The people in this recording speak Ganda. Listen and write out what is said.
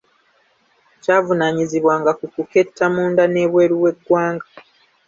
Kyavunaanyizibwanga ku kuketta munda n’ebweru w’eggwanga.